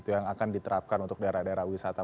yang akan diterapkan untuk daerah daerah wisata